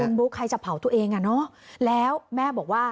คุณบุ๊คใครจะเผาตัวเองแล้วแม่บอกว่า